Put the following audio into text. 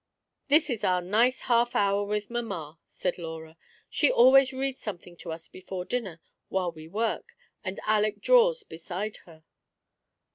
" This is our nice half hour with mamma," said Laura ;" she always reads something to us before dinner while we work, and Aleck draws beside her."